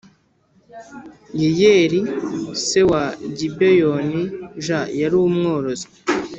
Yeyeli se wa Gibeyonij yari umworozi